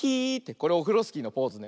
これオフロスキーのポーズね。